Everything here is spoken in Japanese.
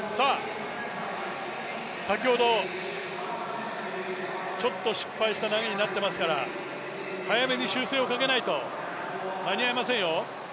先ほどちょっと失敗した投げになっていますから、早めに修正をかけないと間に合いませんよ。